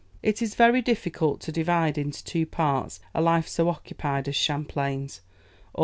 ] It is very difficult to divide into two parts a life so occupied as Champlain's.